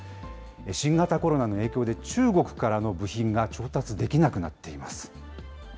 新型コロナの影響で、中国からの部品が調達できなくなっています。